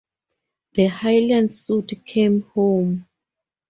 The Highland suit came home.